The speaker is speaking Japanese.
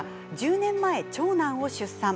１０年前、長男を出産。